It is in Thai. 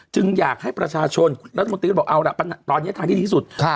จึงอยากให้ประชาชนแล้วตรงนี้บอกเอาล่ะตอนนี้ทางที่ดีที่สุด